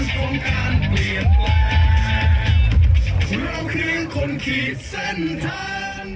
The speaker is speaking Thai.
ต่อจากนี้คืนละทีหัวใจเชิญทุกคนออกมา